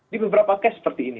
di beberapa cash seperti ini